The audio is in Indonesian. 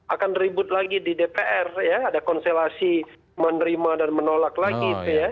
akan ribut lagi di dpr ya ada konselasi menerima dan menolak lagi itu ya